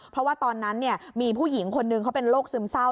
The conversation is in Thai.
เพราะว่าตอนนั้นมีผู้หญิงคนนึงเขาเป็นโรคซึมเศร้า